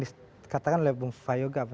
dikatakan oleh bung fayoga